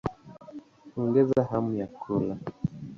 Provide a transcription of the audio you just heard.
Huongeza hamu ya kula.